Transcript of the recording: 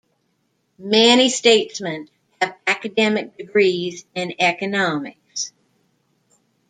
Many statesmen have academic degrees in economics.